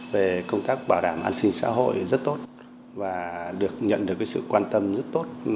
về công tác bảo đảm an sinh xã hội rất tốt và được nhận được sự quan tâm rất tốt